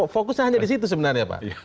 fokusnya hanya di situ sebenarnya pak